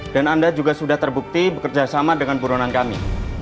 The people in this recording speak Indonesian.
dan anda juga sudah terbukti bekerja sama dengan buronan kami